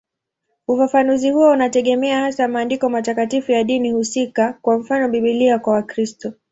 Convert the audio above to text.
Ufafanuzi huo unategemea hasa maandiko matakatifu ya dini husika, kwa mfano Biblia kwa Wakristo.